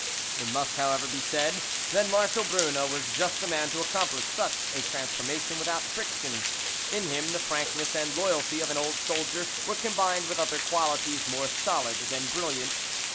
"It must, however, be said, that Marshal Brune was just the man to accomplish such a transformation without friction; in him the frankness and loyalty of an old soldier were combined with other qualities more solid than brilliant.